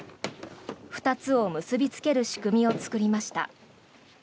２つを結びつける仕組みを作りました。